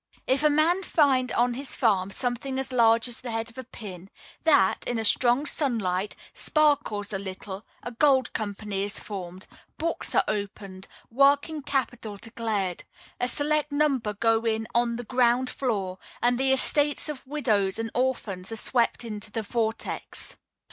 If a man find on his farm something as large as the head of a pin, that, in a strong sunlight, sparkles a little, a gold company is formed; books are opened; working capital declared; a select number go in on the "ground floor;" and the estates of widows and orphans are swept into the vortex.